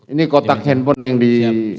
ini kotak handphone yang di